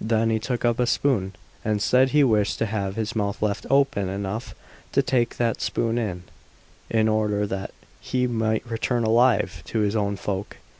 Then he took up a spoon, and said he wished to have his mouth left open enough to take that spoon in, in order that he might return alive to his own folk.